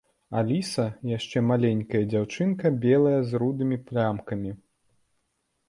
Аліса яшчэ маленькая дзяўчынка, белая з рудымі плямкамі.